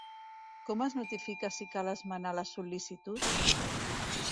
Com es notifica si cal esmenar la sol·licitud?